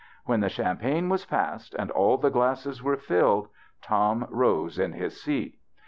When the champagne was passed, and all the glasses were filled, Tom rose in his seat.